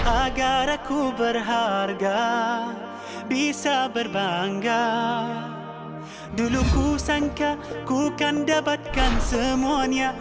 agarku berharga bisa berbangga dulu ku sangka kukan dapatkan semuanya